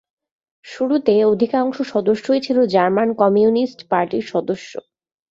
শুরুতে অধিকাংশ সদস্যই ছিল জার্মান কমিউনিস্ট পার্টির সদস্য।